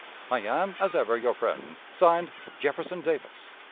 "I am, as ever, your friend, (Signed) "Jefferson Davis."